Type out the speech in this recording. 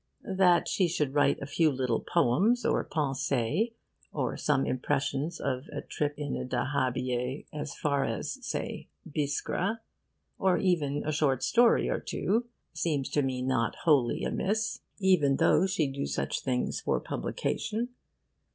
That she should write a few little poems or pensées, or some impressions of a trip in a dahabieh as far as (say) Biskra, or even a short story or two, seems to me not wholly amiss, even though she do such things for publication.